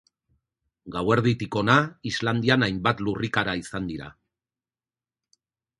Gauerditik ona Islandian hainbat lurrikara izan dira.